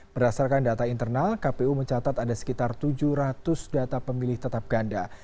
berdasarkan data internal kpu mencatat ada sekitar tujuh ratus data pemilih tetap ganda